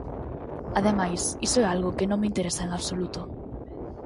Ademais, iso é algo que non me interesa en absoluto.